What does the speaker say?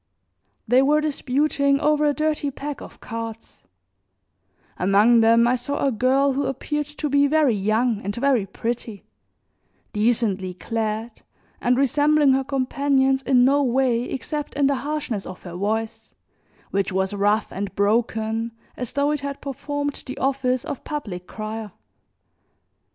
They were disputing over a dirty pack of cards; among them I saw a girl who appeared to be very young and very pretty, decently clad, and resembling her companions in no way, except in the harshness of her voice, which was rough and broken as though it had performed the office of public crier.